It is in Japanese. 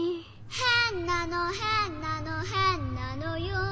「へんなのへんなのへんなのよ」